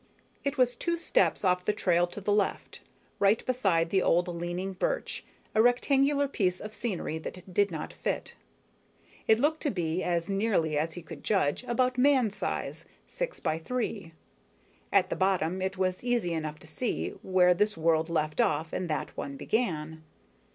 It was two steps off the trail to the left, right beside the old leaning birch, a rectangular piece of scenery that did not fit. It looked to be, as nearly as he could judge, about man size, six by three. At the bottom it was easy enough to see where this world left off and that one began.